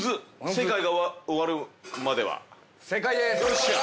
「世界が終るまでは」◆正解です。